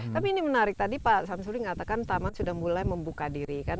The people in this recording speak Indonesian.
tapi ini menarik tadi pak samsudi katakan taman sudah mulai membuka diri kan